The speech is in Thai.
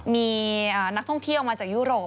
มีนักท่องเที่ยวมาจากยุโรป